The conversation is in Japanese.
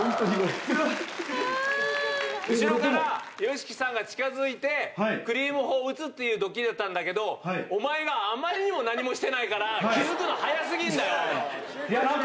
後ろから、ＹＯＳＨＩＫＩさんが近づいて、クリーム砲を撃つっていうドッキリだったんだけど、お前があまりにも何もしてないから、いや、なんか。